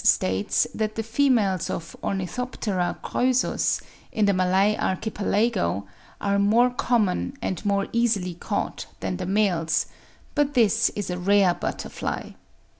states that the females of Ornithoptera croesus, in the Malay archipelago, are more common and more easily caught than the males; but this is a rare butterfly.